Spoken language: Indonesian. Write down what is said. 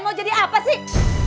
mau jadi apa sih